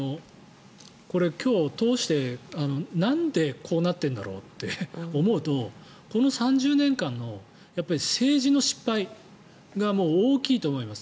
今日、通してなんでこうなっているんだろうって思うとこの３０年間の政治の失敗がもう大きいと思います。